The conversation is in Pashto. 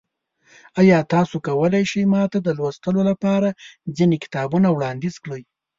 ایا تاسو کولی شئ ما ته د لوستلو لپاره ځینې کتابونه وړاندیز کړئ؟